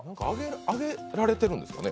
揚げられてるんですかね